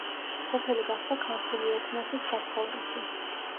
სოფელი გახდა ქართული ეთნოსის საცხოვრისი.